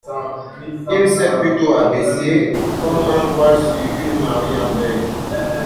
Il s’est plutôt abaissé, comme un voile sur une mariée en deuil.